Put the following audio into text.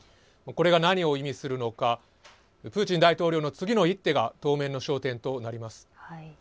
これが何を意味するのかプーチン大統領の次の一手が当面の焦点となります。